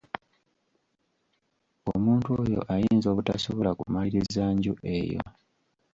Omuntu oyo ayinza obutasobola kumaliriza nju eyo.